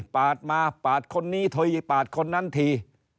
ปาดมาปาดคนนี้เธออีกปาดคนนั้นที